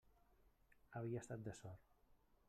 Havia estat de sort.